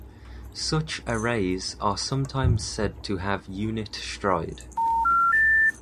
Such arrays are sometimes said to have unit stride.